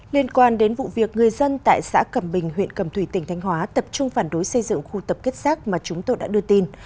liên quan đến vụ việc người dân tại xã cầm bình huyện cầm thủy tỉnh thanh hóa tập trung phản đối xây dựng khu tập kết rác mà chúng tôi đã đưa tin